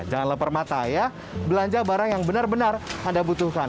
jangan lepar mata ya belanja barang yang benar benar anda butuhkan